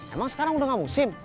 emang sekarang udah gak musim